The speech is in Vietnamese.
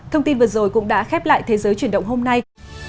thông tin vừa rồi cũng đã khép lại thế giới chuyển động hôm nay